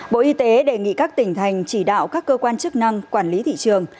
bộ y tế đề nghị các tỉnh thành chỉ đạo các cơ quan chức năng quản lý thị trường